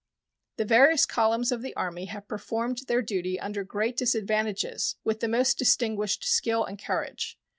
The various columns of the Army have performed their duty under great disadvantages with the most distinguished skill and courage.